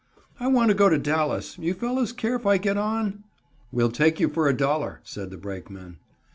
"I want to go to Dallas. You fellows care if I get on?" "We'll take you for $1.00" said the brakemen.